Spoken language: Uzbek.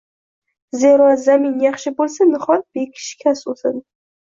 Zero, zamin yaxshi bo‘lsa nihol beshikast o‘sadi